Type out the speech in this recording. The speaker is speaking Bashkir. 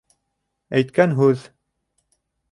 Әйткән һүҙ